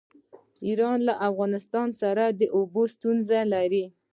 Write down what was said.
ایران له افغانستان سره د اوبو ستونزه لري.